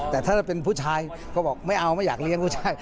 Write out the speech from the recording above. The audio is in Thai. แต่ถ้าเป็นผู้ชายก็บอกไม่เอาไม่อยากเลี้ยงผู้ชาย